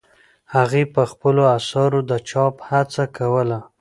هغې په خپلو اثارو د چاپ هڅه کوله.